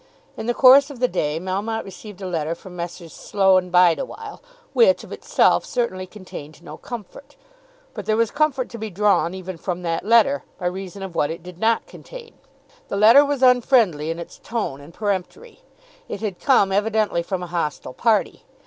In the course of the day, Melmotte received a letter from Messrs. Slow and Bideawhile, which, of itself, certainly contained no comfort; but there was comfort to be drawn even from that letter, by reason of what it did not contain. The letter was unfriendly in its tone and peremptory. It had come evidently from a hostile party.